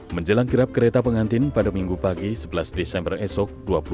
menjelang kirap kereta pengantin pada minggu pagi sebelas desember esok